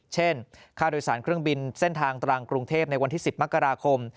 ค่าโดยสารเครื่องบินเส้นทางตรังกรุงเทพในวันที่๑๐มกราคม